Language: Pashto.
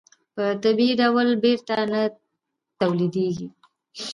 په طبیعي ډول بېرته نه تولیدېږي.